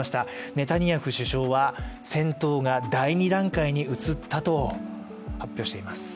ネタニヤフ首相は戦闘が第２段階に移ったと発表しています。